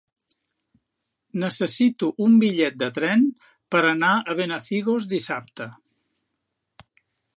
Necessito un bitllet de tren per anar a Benafigos dissabte.